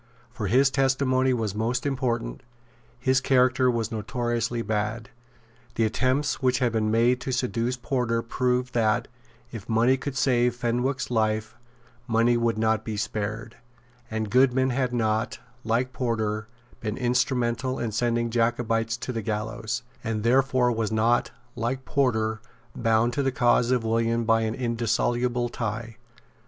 For his testimony was most important; his character was notoriously bad; the attempts which had been made to seduce Porter proved that, if money could save Fenwick's life, money would not be spared; and Goodman had not, like Porter, been instrumental in sending Jacobites to the gallows, and therefore was not, like Porter, bound to the cause of William by an indissoluble tie.